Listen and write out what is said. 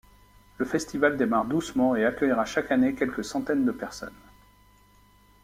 Le festival démarre doucement et accueillera chaque année quelques centaines de personnes.